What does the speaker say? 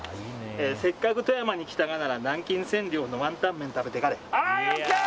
「せっかく富山に来たがなら南京千両のワンタンメン食べてかれ！」